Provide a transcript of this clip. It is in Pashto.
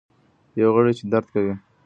یو غړی چي درد کوي.